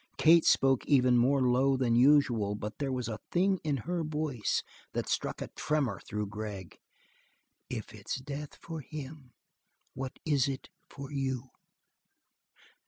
Kate spoke even more low than usual, but there was a thing in her voice that struck a tremor through Gregg. "If it's death for him, what is it for you?"